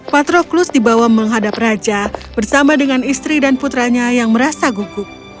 patroclus dibawa menghadap raja bersama dengan istri dan putranya yang merasa gugup